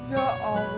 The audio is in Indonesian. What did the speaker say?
terima kasih bu